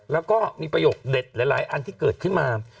แล้วก็มีประโยคเด็ดหลายอันที่เกิดขึ้นมา